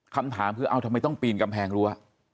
คำถามคือเอาทำไมต้องปีนกำแพงรั้ว